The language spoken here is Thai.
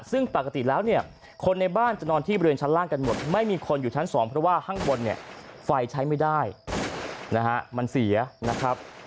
ซึ่งปกติแล้วเนี่ยคนในบ้านจะนอนที่บริเวณชั้นล่างกันหมดไม่มีคนอยู่ชั้น๒เพราะว่าข้างบนเนี่ยไฟใช้ไม่ได้นะฮะมันเสียนะครับ